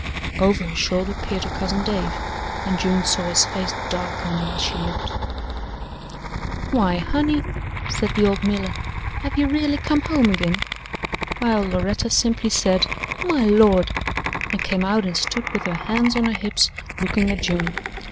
Over her shoulder peered her cousin Dave, and June saw his face darken while she looked. "Why, Honey," said the old miller, "have ye really come home agin?" While Loretta simply said: "My Lord!" and came out and stood with her hands on her hips looking at June.